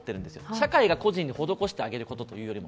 社会が個人に施してあげることというよりも。